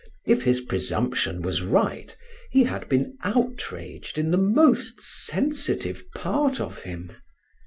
If his presumption was right, he had been outraged in the most sensitive part of him.